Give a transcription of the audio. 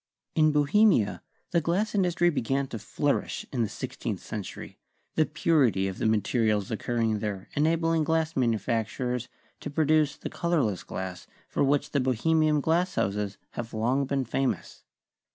In Bohemia, the glass industry began to flourish in the sixteenth century, the purity of the materials occurring there enabling glass manufacturers to produce the color less glass for which the Bohemian glass houses have long been famous.